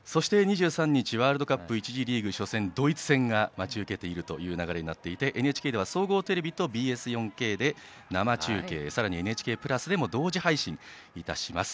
２３日はワールドカップ１次リーグ初戦ドイツ戦が待ち受けているという流れになっていて、ＮＨＫでは総合テレビとＢＳ４系で生中継さらに「ＮＨＫプラス」でも同時配信いたします。